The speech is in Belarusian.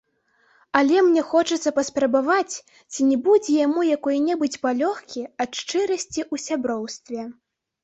Але мне хочацца паспрабаваць, ці не будзе яму якой-небудзь палёгкі ад шчырасці ў сяброўстве.